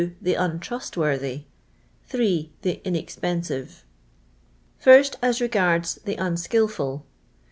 The untrustworthy. 3. The inexpensive. First, as regards the nnshilfiil.